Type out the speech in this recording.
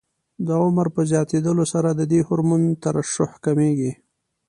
د عمر په زیاتېدلو سره د دې هورمون ترشح کمېږي.